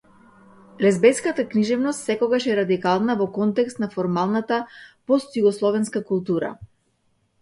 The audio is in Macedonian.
Лезбејската книжевност секогаш е радикална во контекст на формалната постјугословенска култура.